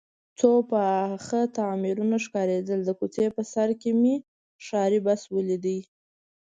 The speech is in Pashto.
څو پاخه تعمیرونه ښکارېدل، د کوڅې په سر کې مې ښاري بس ولید.